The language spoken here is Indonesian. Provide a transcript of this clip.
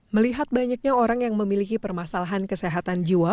melihat banyaknya orang yang memiliki permasalahan kesehatan jiwa